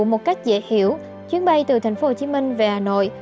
ví dụ một cách dễ hiểu chuyến bay từ thành phố hồ chí minh về hà nội